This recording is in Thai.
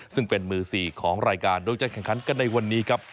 ซึ่งเป็นมือ๔ของรายการโดยจะแข่งขันกันในวันนี้ครับ